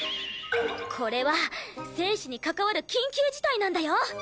これは生死に関わる緊急事態なんだよ！